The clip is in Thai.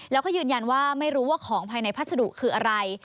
แล้วก็ยืนยันว่าไม่รู้ว่าของภายในพัสดุคืออะไร